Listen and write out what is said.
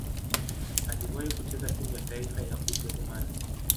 Aliwahi kucheza timu ya taifa ya Ujerumani.